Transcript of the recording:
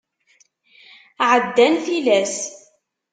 Ɛeddan tilas.